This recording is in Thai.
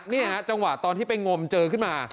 นี่ฮะจังหวะตอนที่ไปงมเจอขึ้นมา